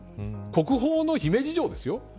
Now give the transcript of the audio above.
国宝の姫路城ですよ。